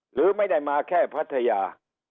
หรือไม่ได้มาแค่พัทยา